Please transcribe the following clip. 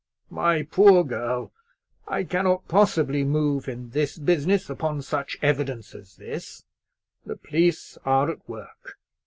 My poor girl, I cannot possibly move in this business upon such evidence as this. The police are at work.